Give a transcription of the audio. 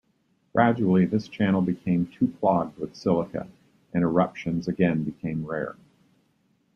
Gradually this channel became too clogged with silica and eruptions again became rare.